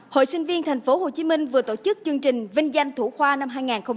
hội sinh viên thành phố hồ chí minh vừa tổ chức chương trình vinh danh thủ khoa năm hai nghìn một mươi bảy